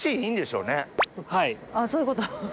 あぁそういうこと。